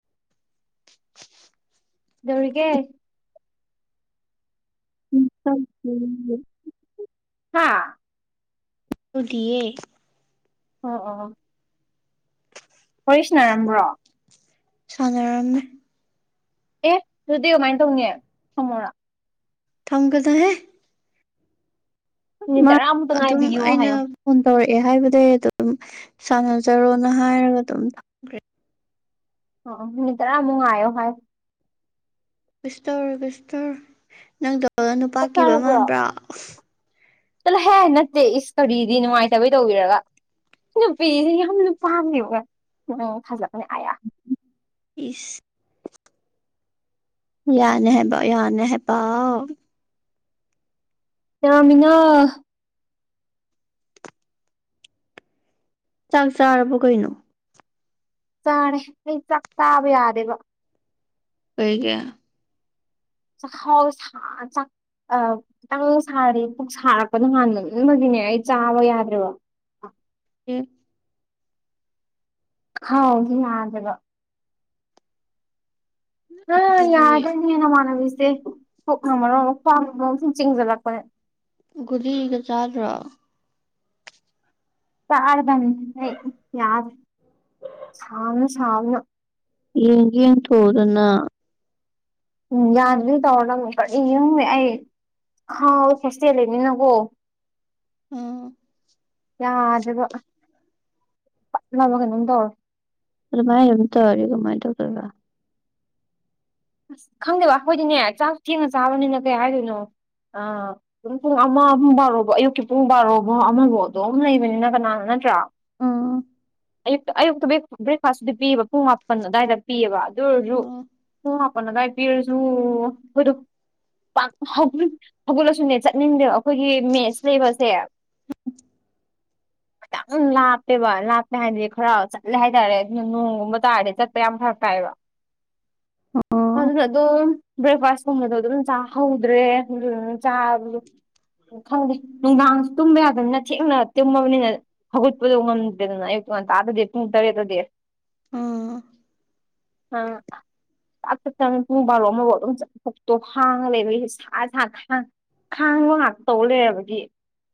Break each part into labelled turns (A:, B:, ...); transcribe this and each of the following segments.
A: [inaudible]
B: ꯗꯧꯔꯤꯒꯦ
A: ꯎ
B: ꯍꯥꯥ
A: ꯗꯤꯌꯦ
B: ꯑꯣ ꯑ ꯍꯔꯤꯁꯅꯥꯔꯝꯕ꯭ꯔꯣ
A: ꯁꯥꯟꯅꯔꯝꯃꯦ
B: ꯑꯦ ꯑꯗꯨꯗꯤ ꯀꯃꯥꯏꯅ ꯇꯧꯅꯤ ꯊꯃꯣꯔꯥ
A: ꯊꯪ ꯀꯗꯍꯦ
B: ꯃꯤꯅꯤꯠ
A: ꯃꯥ
B: ꯇꯔꯥꯃꯨꯛꯇ
A: ꯑꯗꯨꯝ
B: ꯉꯥꯏꯕꯤꯌꯣ
A: ꯑꯩꯅ
B: ꯍꯥꯏꯌꯣ
A: ꯐꯣꯟ ꯇꯧꯔ ꯑꯦ ꯍꯥꯏꯕꯗꯤꯩ ꯑꯗꯨꯝ ꯁꯥꯟꯅꯖꯔꯣꯅ ꯍꯥꯏꯔꯒ ꯑꯗꯨꯝ ꯊꯝꯈ꯭ꯔꯦ
B: ꯑ ꯃꯤꯅꯤꯗ꯭ꯔꯥ ꯑꯃꯨꯣ ꯍꯥꯏ
A: ꯈ꯭ꯔꯤꯁꯇꯧ ꯈ꯭ꯁꯇ ꯅꯪꯗ ꯅꯨꯄꯥ ꯀꯤꯕ ꯃꯥꯟꯕ꯭ꯔꯥ
B: ꯆꯂꯣ ꯍꯦ ꯅꯠꯇꯦ ꯏꯁ ꯀꯔꯤꯗꯤ ꯅꯨꯡꯉꯥꯏꯇꯕꯩ ꯇꯧꯕꯤꯔꯒ ꯅꯨꯄꯤꯁꯦ ꯌꯥꯝꯅ ꯄꯥꯝꯃꯦꯕ ꯎ ꯐꯖꯛꯄꯅꯦ
A: ꯏꯤꯁ ꯌꯥꯅꯦ ꯍꯥꯏꯦꯕ ꯌꯥꯅꯦ ꯍꯥꯏꯦ ꯄꯥꯎ
B: ꯌꯥꯃꯤꯅꯥ
A: ꯆꯥꯛ ꯆꯥꯔꯕꯣ ꯀꯩꯅꯣ
B: ꯆꯥꯅꯦ ꯑꯩ ꯆꯥꯛ ꯇꯥꯕ ꯌꯥꯗꯦꯕ
A: ꯍꯒ
B: ꯆ ꯍꯥꯎꯁ ꯆ ꯑ ꯈꯤꯇꯪ ꯁꯥꯔꯗꯤ ꯄꯨꯛ ꯁꯥꯔꯛꯄ ꯅ ꯍꯥꯟꯅ ꯂ ꯑꯃꯒꯤꯅꯦ ꯑꯩ ꯆꯥꯕ ꯌꯥꯗ꯭ꯔꯦꯕ ꯑ
A: ꯎ
B: ꯍꯥꯎꯒꯤ ꯌꯥꯗꯕ ꯑ
A: ꯑꯗꯨꯗꯤ
B: ꯌꯥꯗ ꯅꯅ ꯃꯥꯅꯕꯤꯁ ꯦ ꯀ ꯍꯥꯥꯡꯃꯔꯣ ꯑꯃꯨꯛ ꯈ ꯁꯨꯝ ꯆꯤꯡꯁꯤꯜꯂꯛꯄꯅꯦ
A: ꯗꯤꯒ ꯆꯥꯗ꯭ꯔꯣ
B: ꯇꯔꯗꯝ ꯌꯥꯗ ꯁꯥꯎꯅ ꯁꯥꯎꯅ
A: ꯌꯦꯡꯒꯦꯡ ꯇꯣꯗꯅ
B: ꯎꯝ ꯌꯥꯗ ꯇꯧꯅ ꯀꯨꯝ ꯑꯩ ꯍꯥꯎ ꯐꯁꯤ ꯂꯩꯦꯅꯤ ꯅꯒꯣ
A: ꯑꯥ
B: ꯌꯥꯖꯕ ꯅꯃ ꯀꯩꯅꯣ ꯇꯧꯔ
A: ꯑꯗꯨ ꯃꯥꯥꯏꯝꯇ ꯋꯥꯔꯤꯒꯃꯥꯏ ꯇꯇꯔꯕ
B: ꯑꯁ ꯈꯪꯗꯦꯕ ꯑꯩꯈꯣꯏꯗꯤꯅꯦ ꯆꯥꯛꯁꯨ ꯊꯦꯡꯅ ꯆꯥꯕꯅꯤꯅ ꯀꯩ ꯍꯥꯏꯗꯣꯏꯅꯣ ꯑ ꯑꯗꯨꯝ ꯄꯨꯡ ꯑꯃꯨꯡ ꯕꯥꯔꯣꯐ ꯑꯌꯨꯛꯀꯤ ꯄꯨꯡ ꯕꯥꯔꯣꯐꯥꯎ ꯑꯃꯐꯥꯎ ꯑꯗꯨꯝ ꯂꯩꯕꯅꯤꯅ ꯀꯅꯥꯅ ꯅꯠꯇ꯭ꯔꯣ
A: ꯑꯥ
B: ꯑꯌꯨꯛꯇ ꯑꯌꯨꯛꯇ ꯕ꯭ꯔꯦꯛꯐꯥꯁꯇꯨꯗꯤ ꯄꯤꯑꯕ ꯄꯨꯡ ꯃꯥꯄꯟ ꯑꯗꯨꯋꯥꯏꯗ ꯄꯤꯑꯕ ꯑꯗꯨ ꯑꯣꯏꯔꯁꯨ
A: ꯑꯣ
B: ꯑꯄꯅꯒꯥꯏ ꯄꯔꯖꯨ ꯍꯣꯏꯗꯨ ꯍꯧꯒꯠꯂꯁꯨꯅꯦ ꯆꯠꯅꯤꯡꯗꯦꯕ ꯑꯩꯈꯣꯏꯒꯤ ꯃꯦꯁ ꯂꯩꯕꯁꯦ [inaudible] ꯂꯥꯞꯇꯦꯕ ꯂꯥꯞꯄꯦ ꯍꯥꯏꯗꯤ ꯈꯔ ꯆꯠꯂꯦ ꯍꯥꯏꯇꯥꯔꯦ ꯑꯗꯨꯅ ꯅꯣꯡꯒꯨꯝꯕ ꯇꯥꯔꯗꯤ ꯆꯠꯄ ꯌꯥꯝ ꯐꯔꯛ ꯇꯥꯏꯕ [inaudible] ꯑꯗꯨꯅ ꯑꯗꯨꯝ ꯕ꯭ꯔꯦꯛꯐꯥꯁꯀꯨꯝꯕꯗꯣ ꯑꯗꯨꯝ ꯆꯥꯍꯧꯗ꯭ꯔꯦ ꯆꯒꯂ ꯈꯪꯗꯦ ꯅꯨꯡꯗꯥꯡꯁꯨ ꯇꯨꯝꯕ ꯌꯥꯗꯕꯅꯤꯅ ꯊꯦꯡꯅ ꯇꯨꯝꯃꯕꯅꯤꯅ ꯍꯧꯒꯠꯄꯗꯣ ꯉꯝꯗꯦꯗꯅ ꯑꯌꯨꯛꯇ ꯇ ꯉꯥꯟ ꯇ ꯗꯦ ꯊꯨꯡ ꯇꯔꯦ ꯗꯦ
A: ꯑꯥ
B: ꯑ ꯥꯛ ꯆ꯭ꯔꯕꯅꯤ ꯄꯨꯡ ꯕꯥꯔꯣ ꯑꯃꯐꯥꯎ ꯑꯗꯨꯝ ꯆꯊꯣꯛꯇꯣ ꯍꯥꯡꯉ ꯂꯩꯕꯒꯤꯁꯦ ꯁꯥ ꯁꯥ ꯍꯥꯡ ꯈꯥꯡꯕ ꯉꯥꯛꯇ ꯇꯧꯔ ꯂꯩꯔꯕꯗꯤ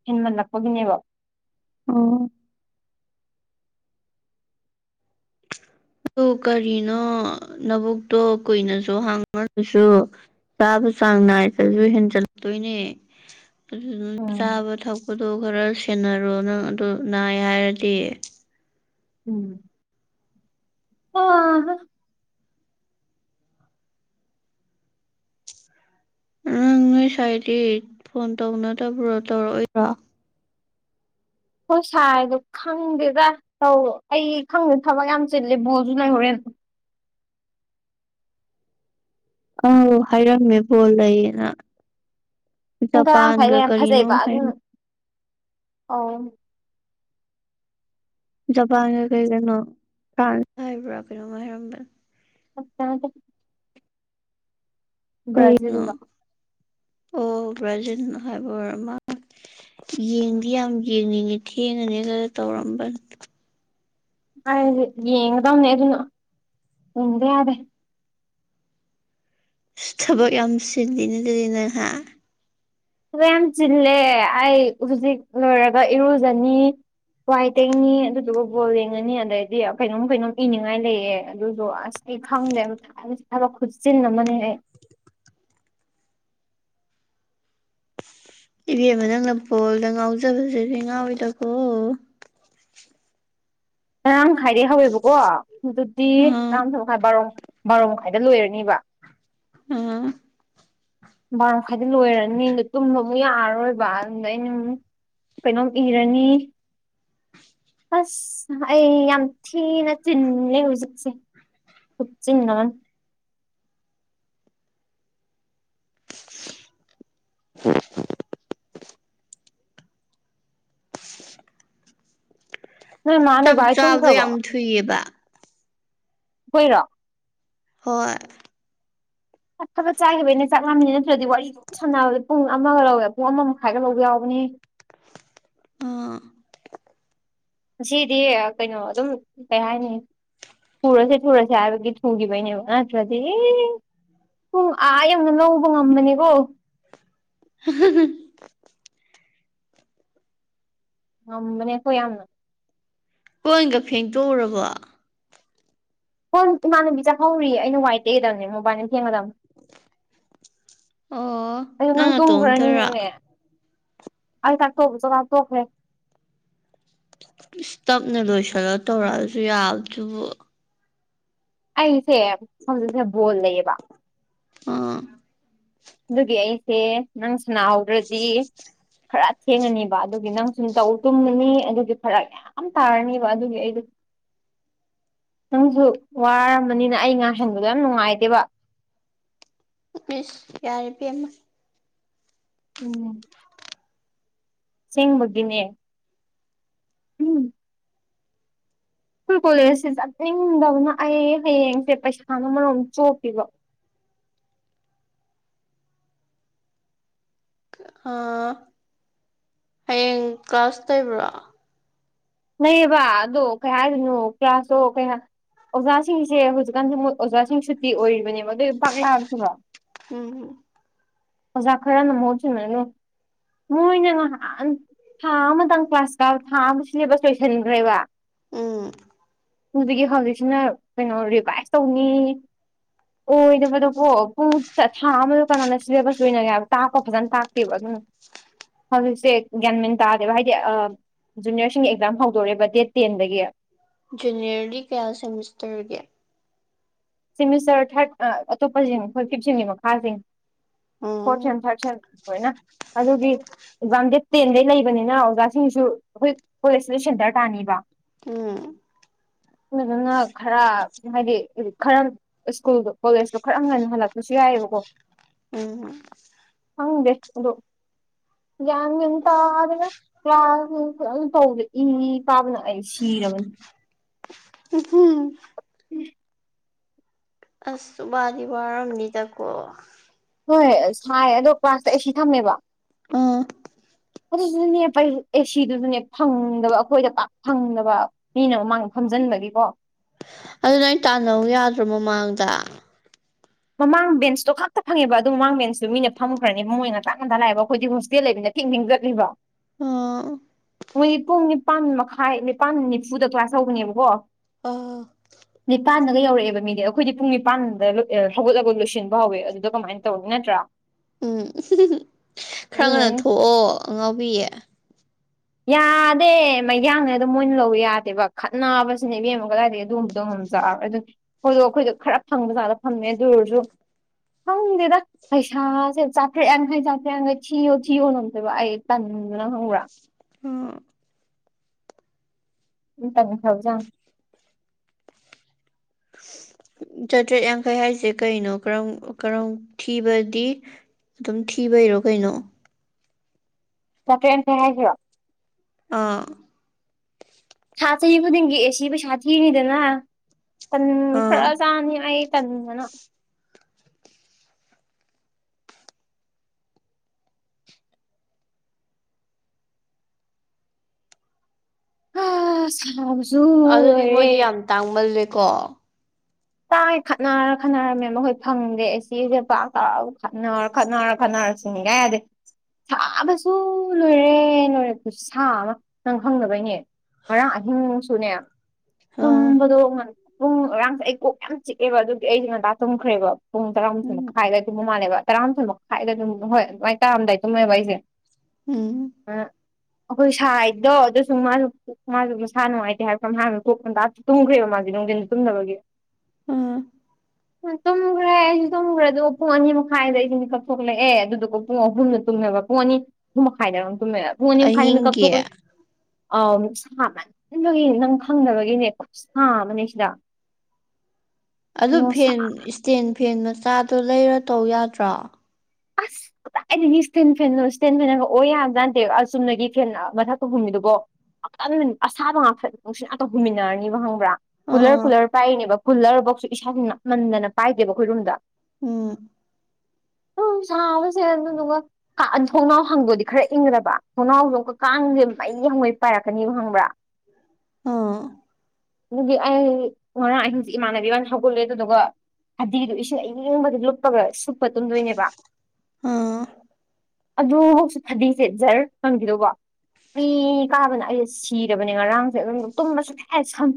B: ꯍꯦꯟꯃꯜꯂꯛꯄꯒꯤꯅꯦꯕ
A: ꯑꯣ ꯑꯗꯨ ꯀꯔꯤꯅꯣ ꯅꯕꯨꯛꯇꯣ ꯀꯨꯏꯅꯁꯨ ꯍꯥꯡꯉ꯭ꯔꯁꯨ ꯆꯥꯕ ꯆꯥꯡ ꯅꯥꯏꯗꯁꯨ ꯍꯦꯟꯖꯜꯂꯛꯇꯣꯏꯅꯦ ꯑꯗꯨꯗꯨꯅ
B: ꯎꯝ
A: ꯆꯥꯕ ꯊꯛ ꯑꯗꯨꯗꯣ ꯈꯔ ꯁꯦꯟꯅꯔꯣ ꯅꯪ ꯑꯗꯨ ꯅꯥꯏ ꯍꯥꯏꯔꯗꯤ
B: ꯎꯝ ꯑꯥ
A: ꯅꯪ ꯅꯣꯏ ꯁꯥꯏꯗꯤ ꯐꯣꯟ ꯇꯧꯅꯗꯕ꯭ꯔꯣ ꯇꯧꯔꯛꯑꯣꯏꯕ꯭ꯔ
B: ꯍꯣꯏ ꯁꯥꯏꯗꯣ ꯈꯪꯗꯦꯗ ꯇꯧ ꯑꯩ ꯈꯪꯗꯦ ꯊꯕꯛ ꯌꯥꯝ ꯆꯤꯜꯂꯦ ꯕꯣꯜꯁꯨ ꯅ ꯍꯣꯔꯦꯟ ꯎꯝ
A: ꯑꯥꯎ ꯍꯥꯏꯔꯝꯃꯦꯕꯣ ꯂꯩꯌꯦꯅ
B: ꯄꯨꯡ ꯇꯈꯥꯏꯗ
A: ꯖꯄꯥꯟꯒ
B: ꯌꯥꯝ ꯐꯖꯩꯕ
A: ꯀꯔꯤꯅꯣꯝ
B: ꯑꯗꯨꯅ
A: ꯍꯥꯏꯔꯝꯃꯦ
B: ꯑ
A: ꯖꯄꯥꯟꯒ ꯀꯩ ꯀꯩꯅꯣ ꯐ꯭ꯔꯥꯟꯁ ꯍꯥꯏꯕ꯭ꯔꯥ ꯀꯩꯅꯣꯝꯃ ꯍꯥꯏꯔꯝꯕ
B: ꯑ ꯀ ꯕ꯭ꯔꯥꯖꯤꯜ
A: ꯀꯔꯤꯅꯣ ꯑꯣ ꯭ꯔꯖꯤꯟ ꯍꯥꯏꯕ ꯑꯃ ꯌꯦꯤꯡꯗꯤ ꯌꯦꯉ ꯈꯦꯡꯉꯅꯤ ꯈꯔ ꯇꯧꯔꯝꯕ
B: ꯑꯗꯤ ꯌꯦꯡꯉꯗꯥꯅꯦ ꯑꯗꯨꯅ ꯎꯗꯦ ꯌꯥꯗꯦ
A: ꯁ ꯊꯕꯛ ꯌꯥꯝ ꯁꯤꯟꯂꯤꯅ ꯂꯩ ꯅꯪꯍꯥ
B: ꯑꯗꯣ ꯌꯥꯝ ꯆꯤꯜꯂꯦ ꯑꯩ ꯍꯧꯖꯤꯛ ꯂꯣꯏꯔꯒ ꯏꯔꯨꯖꯅꯤ ꯋꯥꯏ ꯇꯦꯡꯅꯤ ꯑꯗꯨꯗꯨꯒ ꯕꯣꯜ ꯌꯦꯡꯉꯅꯤ ꯑꯗꯩꯗꯤ ꯀꯩꯅꯣꯝ ꯀꯩꯅꯣꯝ ꯏꯅꯤꯡꯉꯥꯏ ꯂꯩꯌꯦꯦ ꯑꯗꯨꯁꯨꯣ ꯑꯁ ꯑꯩ ꯈꯪꯗꯦꯕ ꯊꯕꯛ ꯈꯨꯠꯆꯤꯟ ꯑꯃꯅꯤꯅꯦ ꯑꯩ
A: ꯏꯕꯦꯝ ꯑꯃ ꯅꯪꯅ ꯄꯣꯜꯗ ꯉꯥꯎꯖꯕꯁꯦ ꯁꯤ ꯉꯥꯎꯋꯤꯗꯀꯣ
B: ꯉꯔꯥꯡ ꯍꯥꯏꯥꯏꯔꯦ ꯍꯧꯋꯦꯕꯀꯣ ꯑꯗꯨꯗꯤ
A: ꯑꯥ
B: ꯉꯔꯥꯡ ꯃꯈꯥꯏ ꯕꯥꯔꯣ ꯕꯥꯔꯣ ꯃꯈꯥꯏꯗ ꯂꯣꯏꯔꯅꯤꯕ
A: ꯑꯥ
B: ꯈꯥꯏꯗꯤ ꯂꯣꯏꯔꯅꯤꯗꯣ ꯇꯨꯝ ꯌꯥꯔꯔꯣꯏꯕ ꯑꯗꯨꯝꯗ ꯑꯩꯅ ꯀꯩꯅꯣꯝ ꯏꯔꯅꯤ ꯑꯁ ꯑꯩ ꯌꯥꯝ ꯊꯤꯅ ꯆꯤꯟꯅꯦ ꯍꯧꯖꯤꯛꯁꯦ ꯄꯨꯆꯤꯡꯅꯥꯟ
A: ꯍꯝ
B: ꯅꯣꯏ ꯃꯥ ꯅꯣꯏ
A: ꯆꯞ
B: ꯕꯥ ꯍꯣꯏ
A: ꯆꯥꯕꯗꯣ
B: ꯇꯨꯝꯈ꯭ꯔꯕꯣ
A: ꯌꯥꯝ ꯊꯨꯏꯑꯕ
B: ꯣꯏꯔꯣ
A: ꯍꯣꯏ
B: ꯑ ꯊꯕꯛ ꯆꯥꯈꯤꯕ ꯑꯩꯅ ꯆꯥꯛ ꯂꯃꯤꯅꯤ ꯅꯠꯇ꯭ꯔꯗꯤ ꯋꯥꯔꯤꯗꯨ ꯁꯥꯟꯅꯕꯗ ꯄꯨꯡ ꯑꯃꯒ ꯂꯧꯋꯦ ꯄꯨꯡ ꯑꯃ ꯃꯈꯥꯏꯒ ꯂꯧꯕ ꯌꯥꯎꯕꯅꯦ
A: ꯑꯥ
B: ꯑꯁꯤꯗꯤ ꯀꯩꯅꯣ ꯑꯗꯨꯝ ꯀꯩ ꯍꯥꯏꯅꯤ ꯊꯨꯔꯁꯦ ꯊꯨꯔꯁꯦ ꯍꯥꯏꯕꯒꯤ ꯊꯨꯈꯤꯕꯩꯅꯦꯕ ꯑꯊ꯭ꯔꯗꯤ ꯄꯨꯡ ꯑꯥ ꯌꯧꯅ ꯂꯧꯕ ꯉꯝꯕꯅꯤꯀꯣ
A: [inaudible]
B: ꯑ ꯃꯅꯦꯈꯣꯏ ꯌꯥꯝꯝ ꯅ
A: ꯅꯣꯏꯒ ꯐꯦꯡꯗꯣꯛꯎꯔꯕ
B: ꯐꯣꯟ ꯏꯃꯥꯟꯅꯕꯤ ꯆꯥꯛꯍꯧꯔꯤ ꯑꯩꯅ ꯋꯥꯏ ꯇꯩꯗꯕꯅꯦ ꯃꯣꯕꯥꯏꯜ ꯀꯦ ꯃꯦꯗꯥꯝ
A: ꯑꯣ
B: ꯑꯣ ꯅꯪ
A: ꯅꯇꯣꯝꯇꯔꯥ
B: ꯇꯣꯡꯈ꯭ꯔꯅꯤꯅꯅꯦ ꯑꯩ ꯇ ꯇꯣꯛꯁꯨ ꯇ ꯇꯣꯛꯈ꯭ꯔꯦ
A: ꯏꯁ ꯇꯞꯅ ꯂꯣꯏꯁꯤꯜꯂ ꯇꯧꯔꯛꯑꯁꯨ ꯌꯥꯕꯗꯨꯕꯨ
B: ꯑꯩꯁꯦ ꯍꯧꯖꯤꯛꯁꯦ ꯕꯣꯜ ꯂꯩꯌꯦꯕ
A: ꯑꯥ
B: ꯑꯗꯨꯒꯤ ꯑꯩꯁꯦ ꯅꯪ ꯁꯅꯥꯍꯧꯗ꯭ꯔꯗꯤ ꯈꯔ ꯊꯦꯡꯉꯅꯤꯕ ꯑꯗꯨꯒꯤ ꯅꯪ ꯁꯨꯝ ꯇꯧ ꯇꯨꯝꯃꯅꯤ ꯑꯗꯨꯒꯤ ꯐꯔꯛ ꯌꯥꯝ ꯇꯥꯔꯅꯤꯕ ꯑꯗꯨꯒꯤ ꯑꯩꯗ [inaudible] ꯅꯪꯁꯨ ꯋꯥꯔꯝꯕꯅꯤꯅ ꯑꯩ ꯉꯥꯡꯁꯤꯟꯕꯗ ꯌꯥꯝ ꯅꯨꯡꯉꯥꯏꯗꯦꯕ
A: ꯁ ꯌꯥꯔ ꯄꯃ
B: ꯎꯝ ꯁꯤꯡꯕꯒꯤꯅꯦ ꯁ꯭ꯀꯨꯜ ꯀꯣꯂꯦꯖꯁꯦ ꯆꯠꯅꯤꯡꯗꯕꯅ ꯑꯩ ꯍꯌꯦꯡꯁꯦ ꯄꯩꯁꯥ ꯑꯃ ꯃꯔꯣꯝ ꯆꯣꯞꯄꯤꯕ [inaudible]
A: ꯑ ꯍꯌꯦꯡ ꯀ꯭ꯂꯥꯁ ꯇꯕ꯭ꯔꯣ
B: ꯅꯌꯦꯕ ꯑꯗꯣ ꯀꯩ ꯍꯥꯏꯔꯤꯅꯣ ꯀ꯭ꯂꯌꯥꯥꯁꯇꯣ ꯀꯩꯅ ꯑꯣꯖꯥꯁꯤꯡꯁꯦ ꯍꯧꯖꯤꯛꯀꯥꯟꯁꯦ ꯑꯣꯖꯥꯁꯤꯡ ꯁꯨꯇꯤ ꯑꯣꯏꯔꯤꯕꯅꯦꯕ ꯄꯥꯛ ꯂꯥꯛꯑꯁꯤꯔꯣ
A: ꯎꯝ
B: ꯑꯣꯖꯥ ꯈꯔꯅ ꯃꯍꯨꯠ ꯁꯤꯟꯅꯔꯅꯨ ꯃꯣꯏꯅ ꯉꯥꯏꯍꯥꯟ ꯊꯥ ꯑꯃꯇꯪ ꯀ꯭ꯂꯥꯁꯀ ꯊꯥ ꯑꯃ ꯁꯤꯂꯦꯕꯁ ꯂꯣꯏꯁꯤꯟꯈ꯭ꯔꯦꯕ
A: ꯎꯝ
B: ꯍꯧꯖꯤꯒꯤ ꯍꯧꯖꯤꯛꯁꯤꯅ ꯀꯩꯅꯣ ꯔꯤꯚꯥꯏꯁ ꯇꯧꯅꯤ ꯑꯣꯏꯗꯕꯗꯣ ꯄꯣ ꯄꯨꯡ ꯊꯥ ꯑꯃꯗꯣ ꯀꯅꯥꯅ ꯁꯤꯂꯦꯕꯁ ꯂ ꯑꯣꯏꯅꯒꯦ ꯍꯥꯏꯕ ꯀ ꯐꯖꯅ ꯇꯥꯛꯇꯦꯕ ꯑꯗꯨꯝ ꯍꯧꯖꯤꯛꯁꯦ ꯒ꯭ꯌꯥꯟꯃꯤꯟ ꯇꯥꯗꯦꯕ ꯍꯥꯏꯗꯤ ꯖꯨꯅꯤꯔ ꯁꯤꯡ ꯑꯦꯛꯖꯥꯝ ꯍꯧꯗꯣꯔꯦꯕ ꯗꯦꯠ ꯇꯦꯟꯗꯒꯤ
A: ꯖꯨꯅꯤꯌꯔꯗꯤ ꯀꯌꯥ ꯁꯦꯃꯤꯁꯇꯔꯒꯦ
B: ꯁꯤꯦꯃꯤꯁꯇꯔ ꯊꯥꯔꯠ ꯑꯇꯣꯞꯄꯁꯤꯡ ꯑꯩꯈꯣꯏ ꯐꯤꯞꯁꯤꯟꯒꯤ ꯃꯈꯥꯥꯁ ꯐꯣꯔ
A: ꯎꯝ
B: ꯁꯦꯟ ꯊꯥꯔꯠ ꯍꯦꯟ ꯍꯣꯏꯅ ꯑꯗꯨꯒꯤ ꯑꯦꯛꯖꯥꯝ ꯗꯦꯗ ꯇꯦꯟꯗꯩ ꯂꯩꯕꯅꯤꯅ ꯑꯣꯖꯥꯁꯤꯡꯁꯨ ꯑꯩꯈꯣꯏ ꯀꯣꯂꯦꯖꯁꯤꯗ ꯁꯦꯟꯇꯔ ꯇꯥꯅꯤꯕ
A: ꯎꯝ
B: ꯑꯗꯨ ꯑꯗꯨꯅ ꯈꯔ ꯍꯥꯏꯗꯤ ꯈꯔ ꯁ꯭ꯀꯨꯜꯗꯣ ꯀꯣꯂꯦꯖꯇꯣ ꯈꯔ ꯍꯟꯅ ꯍꯜꯂꯛꯄꯁꯨ ꯌꯥꯏꯑꯕꯀꯣ
A: ꯎꯝ
B: ꯍꯪꯗꯦ ꯑꯗꯨꯗꯣ ꯒ꯭ꯌꯥꯟ ꯃꯝ ꯇꯥꯗꯅ ꯀ꯭ꯂ ꯇꯧꯕ ꯏ ꯄꯥꯕꯅ ꯑꯩ ꯁꯤ ꯅꯤ
A: ꯎꯝ
B: ꯎꯝ
A: ꯑꯁꯕꯥꯗꯤ ꯋꯥꯔꯝꯅꯤꯗꯀꯣ
B: ꯍꯣꯏ ꯍꯣꯏ ꯁꯥꯏꯌꯦ ꯑꯗꯣ ꯀ꯭ꯂꯥꯁꯇ ꯑꯩ ꯁꯤ ꯊꯝꯃꯦꯕ
A: ꯑꯥ
B: ꯑꯗꯨꯗꯨꯅꯦ ꯑꯦ ꯁꯤꯗꯨꯁꯨꯅꯦ ꯐꯪꯗꯕ ꯑꯩꯈꯣꯏꯗ ꯄꯥꯛ ꯐꯪꯗꯕ ꯃꯤꯅ ꯃꯃꯥꯡꯗ ꯐꯪ ꯈꯝꯖꯤꯟꯕꯒꯤꯀꯣ
A: ꯑꯗꯨꯅ ꯑ ꯇꯥꯟꯅꯧ ꯌꯥꯗ꯭ꯔꯣ ꯃꯃꯥꯡꯗ
B: ꯃꯃꯥꯡ ꯕꯁꯇꯣ ꯈꯛꯇ ꯐꯪꯉꯦꯕ ꯑꯗꯨ ꯃꯃꯥꯡꯕꯁꯇꯨ ꯃꯤꯅ ꯐꯝꯈ꯭ꯔꯅꯤ ꯃꯣꯏ ꯑꯣꯏꯅꯅ ꯂꯥꯛ ꯉꯟꯊ ꯂꯥꯛꯑꯕ ꯑꯩꯈꯣꯏꯗꯤ ꯍꯣꯁꯇꯦꯜ ꯂꯩꯕꯅꯤꯅ ꯊꯤꯡ ꯍꯤꯡꯖꯠꯂꯤꯕꯣ
A: ꯑꯥ
B: ꯃꯣꯏꯒꯤ ꯄꯨꯡ ꯅꯤꯄꯥꯟ ꯃꯈꯥꯏ ꯅꯤꯄꯥꯜ ꯅꯤꯐꯨꯗ ꯀ꯭ꯂꯥꯁ ꯍꯧꯕꯅꯦꯕꯀꯣ
A: ꯑꯥ
B: ꯅꯤꯄꯥꯟꯗꯒ ꯌꯧꯔꯛꯑꯦꯕ ꯃꯤꯗꯤ ꯑꯩꯈꯣꯏꯗꯤ ꯄꯨꯡ ꯅꯤꯄꯥꯟꯗ ꯍꯧꯒꯠꯂꯒꯠ ꯂꯣꯏꯁꯤꯟꯕ ꯍꯧꯋꯦ ꯑꯗꯨꯗ ꯀꯃꯥꯏꯅ ꯇꯧꯔꯒ ꯅꯠꯇ꯭ꯔꯥ
A: ꯎꯝ ꯈꯔ ꯉꯟꯅ
B: ꯑꯗꯨꯅꯅꯤ
A: ꯊꯣꯛꯑꯣ ꯑꯉꯥꯎꯕꯤꯌꯦ
B: ꯌꯥꯗꯦ ꯃꯩꯌꯥꯡꯅꯦ ꯑꯗꯨꯝ ꯃꯣꯏꯅ ꯂꯧꯕ ꯌꯥꯗꯦꯕ ꯈꯠꯅꯕ ꯁꯤꯅꯦꯕꯦꯝ ꯑꯃ ꯀꯗꯥꯏꯗꯒꯤ ꯑꯗꯨꯒꯨꯝꯕꯗꯣ ꯉꯝ ꯆ ꯑꯗꯨꯣꯏꯗꯣ ꯑꯩꯈꯣꯏꯗꯣ ꯈꯔ ꯐꯪꯕ ꯖꯥꯠꯗ ꯐꯪꯃꯦ ꯑꯗꯨ ꯑꯣꯏꯔꯁꯨ ꯍꯪꯗꯦꯗ ꯄꯩꯁꯥꯥꯁꯦ ꯆꯥꯇ꯭ꯔꯦ ꯌꯥꯡꯈꯩ ꯆꯥꯇ꯭ꯔꯦ ꯌꯥꯩ ꯊꯤꯌ ꯊꯤꯌꯣ ꯅꯣꯇꯕ ꯇꯝ ꯎꯝꯪ ꯍꯧ꯭ꯔ ꯇꯅ ꯈꯥꯎꯖꯥꯡ
A: ꯆꯥꯇ꯭ꯔꯦꯠ ꯌꯥꯡꯈꯩ ꯍꯥꯏꯁꯦ ꯀꯩꯅꯣ ꯀꯔ ꯀꯔꯝ ꯊꯤꯕꯗꯤ ꯑꯗꯨꯝ ꯊꯤꯕꯩꯔꯣ ꯀꯩꯅꯣ
B: ꯅꯠꯇ꯭ꯔꯦ ꯑꯝꯇꯦ ꯍꯥꯏꯁꯤꯔꯣꯑꯣ
A: ꯑꯥ
B: ꯊ ꯆꯍꯤ ꯈꯨꯗꯤꯡꯒꯤ ꯑꯦꯁꯤ ꯄꯩꯁꯥ ꯊꯤꯅꯤꯗꯅ ꯁꯟ
A: ꯑꯥ
B: ꯈꯔ ꯆꯥꯅꯤ ꯑꯩ ꯇꯅ ꯑ ꯁꯂ
A: ꯑꯗꯨꯗꯤ ꯃꯣꯏꯗꯤ ꯌꯥꯝ ꯇꯥꯡꯃꯜꯂꯦꯀꯣ
B: ꯇꯥꯏ ꯈꯠꯅꯔ ꯈꯠꯅꯔꯝꯃꯦ ꯃꯈꯣꯏ ꯐꯪꯗꯦ ꯁꯤꯁꯦ ꯄꯥꯛ ꯇꯥ ꯈꯠꯅꯔ ꯈꯠꯅꯔ ꯈꯠꯅꯔ ꯑ ꯁꯤꯉꯥꯏꯗꯦ ꯁꯥꯕꯁꯨ ꯂꯣꯏꯔꯦ ꯂꯣꯏꯔꯛꯄꯁꯨ ꯁꯥ ꯑꯃ ꯅꯪ ꯍꯪꯅꯕꯩꯅꯦ ꯃꯔ ꯑꯍ ꯁꯨꯅꯌꯥ
A: ꯑꯥ
B: ꯇꯨꯝꯕꯗꯣ ꯄꯨꯡ ꯉꯥꯡꯁꯦ ꯑꯩ ꯀꯣꯛ ꯌꯥꯝ ꯆꯤꯛꯑꯦꯕ ꯑꯗꯨꯗꯤ ꯑꯩꯗꯤ ꯉꯟꯇꯥ ꯇꯨꯝꯈ꯭ꯔꯦꯕ ꯄꯨꯡ ꯇꯔꯥꯃꯊꯣꯏ
A: ꯎꯝ
B: ꯃꯈꯥꯏꯗ ꯇꯨꯝꯕ ꯃꯥꯜꯂꯦꯕ ꯇꯔꯥꯃꯥꯊꯣꯏ ꯃꯈꯥꯏꯗ ꯑꯗꯨꯝ ꯍꯣꯏ ꯑꯗꯨꯃꯥꯏꯅ ꯇꯥꯔꯑꯝꯗꯥꯏ ꯇꯨꯝꯃꯦꯕ ꯑꯩꯁꯦ
A: ꯎꯝ
B: ꯑꯩꯈꯣꯏ ꯁꯥꯏꯗꯣ ꯑꯗꯨꯁꯨ ꯃꯥꯁꯨ ꯃꯥꯁꯨ ꯃꯁꯥ ꯅꯨꯡꯉꯥꯏꯇꯦ ꯍꯥꯏꯕ ꯍꯥꯏ ꯀꯣꯛꯇꯥꯛꯇ ꯇꯨꯝꯈ꯭ꯔꯦꯕ ꯃꯥꯒꯤꯦ ꯅꯨꯡꯊꯤꯟꯗ ꯇꯨꯝꯗꯕꯒꯤ
A: ꯑꯝ
B: ꯇꯨꯝꯈ꯭ꯔꯦ ꯑꯩꯁꯨ ꯇꯨꯝꯈ꯭ꯔꯦ ꯑꯗꯨ ꯄꯨꯡ ꯑꯅꯤ ꯃꯈꯥꯏꯗ ꯑꯩꯁꯤ ꯃꯤ ꯀꯛꯊꯂꯛꯑꯦ ꯑꯗꯨꯗꯨꯒ ꯄꯨꯡ ꯑꯍꯨꯝꯗꯨꯝ ꯕ ꯄꯨꯡ ꯑꯅꯤ ꯄꯨꯡ ꯃꯈꯥꯏꯗꯝ ꯇꯨꯝꯃꯦ ꯄꯨꯡ ꯑꯅꯤ ꯃꯈꯥꯏꯗ ꯃꯦꯀꯞ
A: ꯑꯍꯤꯡꯒꯤ
B: ꯊꯣꯛꯈ꯭ꯔꯦ ꯑꯥꯎ ꯁꯥ ꯃꯟꯕꯒꯤꯅꯦ ꯅꯪ ꯈꯪꯗꯕꯒꯤꯅꯦ ꯈꯨꯠ ꯁꯥ ꯑꯃꯅꯦ ꯁꯤꯗ
A: ꯑꯗꯨ
B: ꯅꯨꯡꯁꯥ
A: ꯐꯦꯟ ꯏꯁꯇꯦꯟ ꯐꯦꯟ ꯃꯆꯥꯗꯣ ꯂꯩꯔ ꯇꯧ ꯌꯥꯗ꯭ꯔꯣ
B: ꯑꯁ ꯀꯗꯥꯏ ꯏꯁꯇꯦꯟ ꯐꯣ ꯏꯁꯇꯦꯟ ꯐꯦꯟꯒꯛ ꯑꯣꯏ ꯌꯥꯝꯖꯥꯟꯗꯦ ꯑ ꯆꯨꯝꯅꯒꯤ ꯐꯦꯟ ꯃꯊꯛꯇ ꯍꯨꯝꯃꯤꯗꯨꯕꯣ ꯑꯁꯥꯕ ꯉꯥꯛꯇ ꯅꯨꯡꯁꯤꯠ ꯉꯥꯛꯇ ꯍꯨꯃꯤꯟꯅꯔꯅꯤꯕ ꯍꯪꯕ꯭ꯔꯥ ꯀꯨꯂꯔ
A: ꯑꯥ
B: ꯀꯨꯂꯔ ꯄꯥꯏꯔꯤꯅꯦꯕ ꯀꯨꯜꯂꯔꯐꯧꯁꯨ ꯏꯁꯥꯁꯨ ꯅꯞꯃꯟꯗꯅ ꯄꯥꯏꯗꯦꯕ ꯑꯩꯈꯣꯏ ꯔꯨꯝꯗ
A: ꯎꯝ
B: ꯎꯝ ꯁꯥꯕꯁꯦ ꯑꯗꯨꯒ ꯊꯣꯡꯅꯥꯎ ꯍꯪꯕꯗꯤ ꯈꯔ ꯏꯪꯗꯕ ꯊꯣꯡꯅꯥꯎꯗꯣ ꯑꯃꯨꯛꯀ ꯀꯥꯡꯥꯟꯁꯦ ꯃꯩ ꯍꯋꯥꯣꯏ ꯄꯥꯏꯔꯛꯀꯅꯤꯕ ꯈꯪꯕ꯭ꯔꯥ
A: ꯑꯥ
B: ꯑꯗꯨꯗꯤ ꯑꯩꯔ ꯑꯍꯤꯡꯁ ꯏꯃꯥꯟꯅꯕꯤ ꯋꯥ ꯍꯧꯒꯠꯂꯦ ꯑꯗꯨꯗꯨꯒ ꯍꯗꯤꯗꯨꯣ ꯏꯁꯤꯡ ꯑꯌꯪꯕꯗꯤ ꯂꯨꯞꯄꯒ ꯁꯨꯞꯄ ꯇꯨꯝꯗꯣꯏꯅꯦꯕ
A: ꯑ
B: ꯑꯗꯨꯐꯧꯁꯨ ꯐꯗꯤꯁꯦꯠ ꯖꯔ ꯐꯪꯈꯤꯗꯧꯕ ꯃꯤ ꯀꯥꯕꯅ ꯑꯩꯁꯦ ꯁꯤꯔꯕꯅꯦ ꯉꯔꯥꯡꯁꯦ ꯑꯗꯨꯝ ꯇꯨꯝꯃꯁꯨ ꯀ ꯁꯝ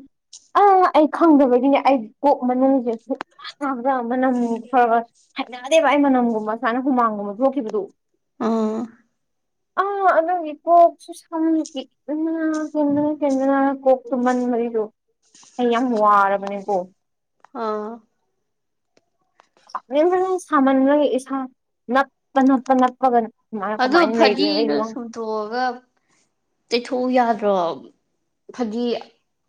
B: ꯑꯥ ꯑꯩ ꯈꯪꯗꯕꯒꯤꯅꯦ ꯑꯩ ꯀꯣꯛ ꯃꯅꯨꯡꯁꯦ ꯃꯅꯝ ꯐꯔ ꯍꯠꯅꯗꯦꯕ ꯑꯩ ꯃꯅꯝꯒꯨꯝꯕ ꯁꯨꯃꯥꯏꯅ ꯍꯨꯃꯥꯡꯒꯨꯝꯕ ꯊꯣꯛꯈꯤꯕꯗꯨ
A: ꯑ
B: ꯑ ꯑꯗꯨꯣ ꯏ ꯄꯣꯁꯨ ꯁ ꯎꯝ ꯀꯦꯟꯗꯅ ꯀꯦꯟꯗꯅ ꯀꯣꯛꯇꯨꯃꯟ ꯃꯔꯤꯗꯨ ꯑꯩ ꯌꯥꯝ ꯋꯥꯔꯕꯅꯦꯀꯣ
A: ꯑꯥ
B: ꯅꯤꯡꯅ ꯁꯥꯃꯟꯈꯣꯏ ꯏꯁꯥ ꯅꯞꯄ ꯅꯞꯄ ꯉꯞꯄꯒꯅ
A: ꯑꯣ ꯐꯗꯤꯒ ꯁꯨꯝꯇꯣꯛꯑꯒ ꯇꯩꯊꯣꯛꯎ ꯌꯥꯗ ꯑꯣ ꯐꯗꯤ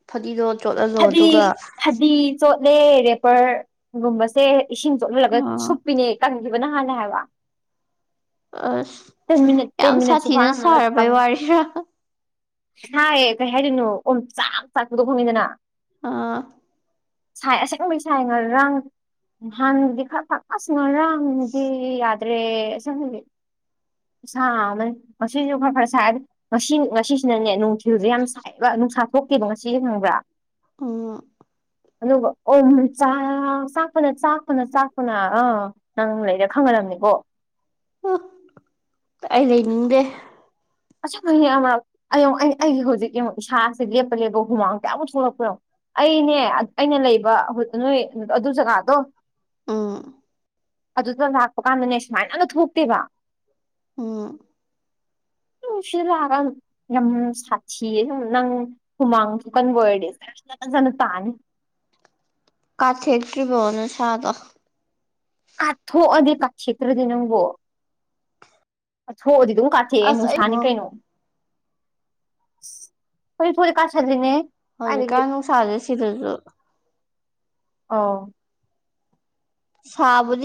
A: ꯐꯗꯤꯗꯣ ꯆꯣꯠꯍꯜꯂꯣ ꯑꯗꯨꯒ
B: ꯐꯗꯤ ꯐꯗꯤ ꯆꯣꯠꯂꯦ ꯔꯦꯄꯔꯒꯨꯝꯕꯁꯦ ꯏꯁꯤꯡ ꯆꯣꯠꯍꯜꯂꯒ
A: ꯑꯥ
B: ꯁꯨꯞꯄꯤꯅꯦ ꯕꯅ ꯍꯥꯏꯅ ꯍꯥꯏꯕ
A: ꯑꯁ
B: ꯇ ꯃꯤꯅꯤꯠ ꯇꯤꯟ
A: ꯌꯥꯝ
B: ꯃꯤꯅꯤꯠꯁꯨ
A: ꯁꯥꯊꯤꯅ ꯁꯥꯔꯕꯩ
B: ꯐꯅꯄꯉ
A: ꯋꯥꯔꯤꯔꯥ
B: ꯍꯥꯏꯥꯏꯌꯦ ꯀꯩ ꯍꯥꯏꯔꯤꯅꯣ ꯑꯣ ꯆ ꯆꯥꯛꯄꯗꯣ ꯈꯣꯡꯉꯤꯗꯅ
A: ꯑꯥ
B: ꯁꯥꯏ ꯑꯁꯦꯡꯕꯩ ꯁꯥꯏ ꯉ ꯔꯥꯡ ꯍꯥꯟꯗꯤ ꯈꯔ ꯊꯀ ꯁꯅꯔꯗꯤ ꯌꯥꯗ ꯔꯦ ꯆ ꯁꯥ ꯑꯃꯅꯤ ꯉꯁꯤꯁꯨ ꯈꯔ ꯈꯔ ꯁꯥꯏ ꯉꯁꯤ ꯉꯁꯤꯁꯤꯅꯅꯦ ꯅꯨꯡꯊꯤꯜꯁꯦ ꯌꯥꯝ ꯁꯥꯏꯕ ꯅꯨꯡꯁꯥ ꯊꯣꯛꯈꯤꯕꯗꯣ ꯉꯁꯤ ꯍꯅꯤꯡꯪꯕ꯭ꯔꯥ
A: ꯑ
B: ꯑꯗꯨꯒ ꯑꯣꯥꯛ ꯆꯥꯛ ꯐꯅ ꯆꯥꯛ ꯐꯅ ꯆꯥꯛꯄꯅ ꯑꯥ ꯅꯪ ꯂꯩꯗ ꯈꯪꯍꯜꯂꯝ ꯑꯣꯣ
A: ꯍ ꯑꯩ ꯍꯗꯦ
B: ꯑꯁꯨꯨꯝꯅꯤ ꯃꯔꯛ ꯑꯩꯡꯉꯛ ꯑꯩꯒꯤ ꯍꯧꯖꯤꯛ ꯌꯦꯡꯉꯛ ꯏꯁꯥꯁꯦ ꯂꯦꯞꯄ ꯂꯦꯞꯄ ꯍꯨꯃꯥꯡ ꯀꯌꯥꯃꯨꯛ ꯊꯣꯛꯂꯛꯄꯅꯡꯉꯣ ꯑꯩꯅꯦ ꯑꯩꯅ ꯂꯩꯕ ꯅꯣꯏ ꯑꯗꯨ ꯖꯒꯥꯗꯣ
A: ꯑꯥ
B: ꯑꯗꯨꯗ ꯂꯥꯛꯄ ꯀꯥꯟꯗꯅꯦ ꯁꯨꯃꯥꯏꯅ ꯑꯃ ꯊꯣꯛꯇꯦꯕ
A: ꯎꯝ
B: ꯎ ꯁꯤꯗ ꯂꯥꯛꯑꯒ ꯌꯥꯝ ꯁꯥꯊꯤꯌꯦ ꯅꯪ ꯍꯨꯃꯥꯡꯁꯨ ꯀꯟꯕ ꯑꯣꯏꯔꯗꯤ ꯖꯅ ꯇꯥꯅꯤ
A: ꯀꯊ ꯍꯦꯛꯇꯔꯤ ꯐꯣꯅ ꯁꯥꯥꯗ
B: ꯀꯥꯠꯊꯣꯛꯑꯗꯤ ꯀꯥꯦꯇ꯭ꯔꯗꯤ ꯅꯪꯕꯣ ꯀꯊꯣꯛꯑꯗꯤ ꯑꯗꯨ ꯀꯥꯊꯦ
A: ꯑꯁ
B: ꯅꯨꯡꯁꯥꯅꯤ
A: ꯑꯩꯉꯣ
B: ꯀꯩꯅꯣ ꯐꯖꯤ ꯐꯣꯔ ꯀꯥꯥꯁꯂꯤꯅꯦ
A: ꯍꯧꯖꯤꯀꯅ ꯁꯥꯖꯁꯤꯔꯁꯨ
B: ꯑ
A: ꯁꯥꯕ